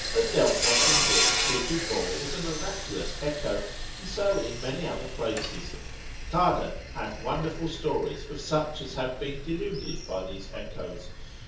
At Delphos, in Greece, heretofore was a miraculous echo, and so in many other places. Cardan, subtil. l. 18, hath wonderful stories of such as have been deluded by these echoes.